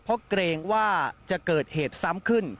เพราะเกรงว่าจะเกิดเหตุซ้ำขึ้น